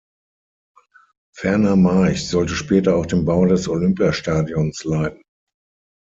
Werner March sollte später auch den Bau des Olympiastadions leiten.